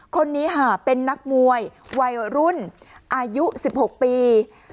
คนนี้ค่ะเป็นนักมวยวัยรุ่นอายุ๑๖ปี